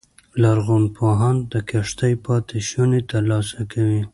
لرغونپوهان د کښتۍ پاتې شونې ترلاسه کوي